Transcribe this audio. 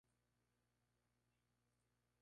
Como abogado, destacó en la crónica forense.